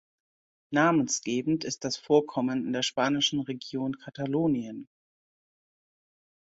Namensgebend ist das Vorkommen in der spanischen Region Katalonien.